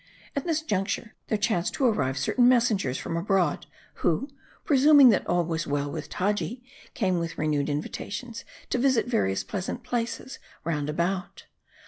At this juncture, there chanced to arrive certain messen gers from abroad ; who, presuming that all was well with Taji, came with renewed invitations to visit various pleasant places round about.